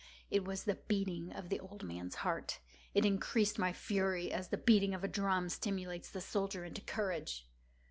It was the beating of the old man's heart. It increased my fury, as the beating of a drum stimulates the soldier into courage.